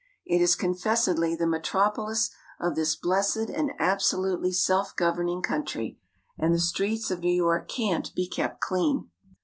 It is confessedly the metropolis of this blessed and absolutely self governing country, and the streets of New York can't be kept clean.